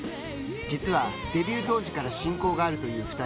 実はデビュー当時から親交があるという２人。